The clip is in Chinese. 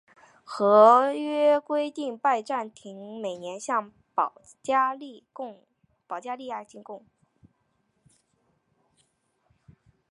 合约规定拜占庭每年向保加利亚进贡。